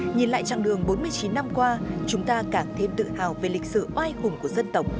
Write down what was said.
nhìn lại chặng đường bốn mươi chín năm qua chúng ta càng thêm tự hào về lịch sử oai khủng của dân tộc